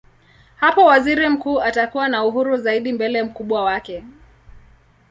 Hapo waziri mkuu atakuwa na uhuru zaidi mbele mkubwa wake.